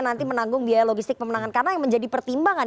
nanti menanggung biaya logistik pemenangan